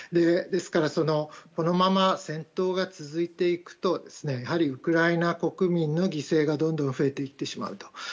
ですからこのまま戦闘が続いていくとやはりウクライナ国民の犠牲がどんどん増えていってしまうと。